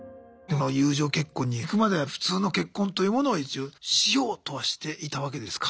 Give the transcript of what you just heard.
友情結婚にいくまでは普通の結婚というものを一応しようとはしていたわけですか？